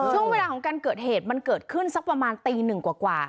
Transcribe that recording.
ช่วงเวลาของการเกิดเหตุมันเกิดขึ้นสักประมาณตีหนึ่งกว่า